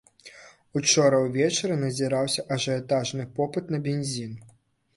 Учора ўвечары назіраўся ажыятажны попыт на бензін.